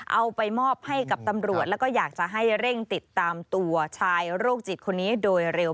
เอาไปมอบให้กับตำรวจแล้วก็อยากจะให้เร่งติดตามตัวชายโรคจิตคนนี้โดยเร็ว